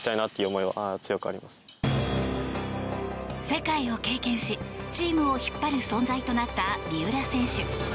世界を経験しチームを引っ張る存在となった三浦選手。